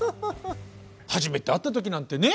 初めて会った時なんてね。